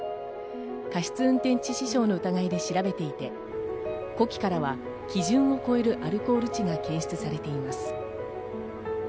過失運転致死傷の疑いで調べていて呼気からは基準を超えるアルコール値が検出されています。